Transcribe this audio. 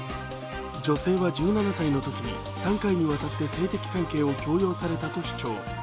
女性は１７歳のときに３回にわたって性的関係を強要されたと主張。